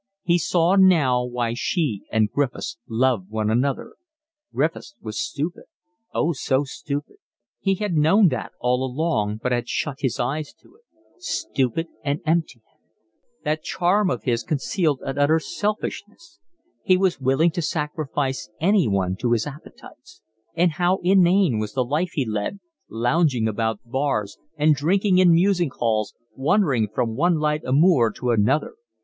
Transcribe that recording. He saw now why she and Griffiths loved one another, Griffiths was stupid, oh so stupid! he had known that all along, but had shut his eyes to it, stupid and empty headed: that charm of his concealed an utter selfishness; he was willing to sacrifice anyone to his appetites. And how inane was the life he led, lounging about bars and drinking in music halls, wandering from one light amour to another!